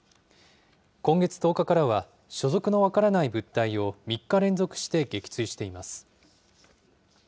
今月１０日からは、所属の分からない物体を３日連続して撃墜しています。